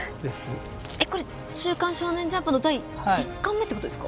えっこれ「週刊少年ジャンプ」の第１巻目ってことですか？